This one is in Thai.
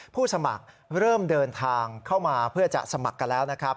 สมัครเริ่มเดินทางเข้ามาเพื่อจะสมัครกันแล้วนะครับ